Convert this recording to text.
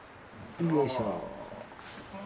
よいしょ！